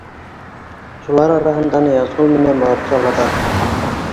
Шулар араһында Ныязғол менән Моратша ла бар.